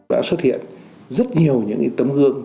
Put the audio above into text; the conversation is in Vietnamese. đã xuất hiện rất nhiều những tấm gương